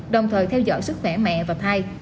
đồng thời theo dõi sức khỏe mẹ và thai